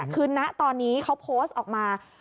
คือณตอนนี้เขาโพสต์ออกมา